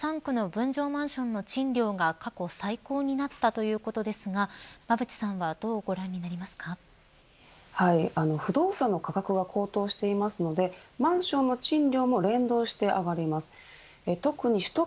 東京２３区の分譲マンションの賃料が過去最高になったということですが馬渕さんは不動産の価格が高騰していますのでマンションの賃料も連動して上がります。